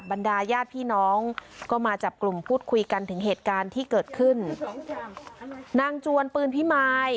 บรรดาญาติพี่น้องก็มาจับกลุ่มพูดคุยกันถึงเหตุการณ์ที่เกิดขึ้นนางจวนปืนพิมาย